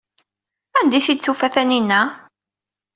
Anda ay t-id-tufa Taninna?